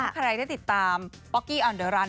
ใครได้ติดตามป๊อกกี้อันเดอรัน